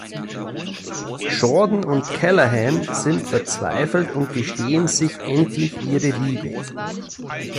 Jordan und Callahan sind verzweifelt und gestehen sich endlich ihre Liebe.